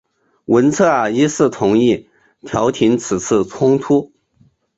文策尔一世同意调停此次冲突。